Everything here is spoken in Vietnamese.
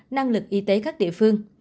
năng lực y tế các địa phương